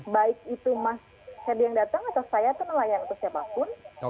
baik itu mas saya yang datang atau saya yang melayang atau siapapun